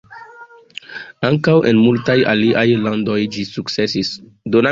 Ankaŭ en multaj aliaj landoj ĝi sukcesis.